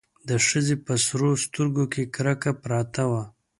د ښځې په سرو سترګو کې کرکه پرته وه.